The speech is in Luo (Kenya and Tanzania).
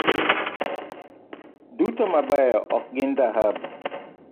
Duto mabeyo ok gin dhahabu.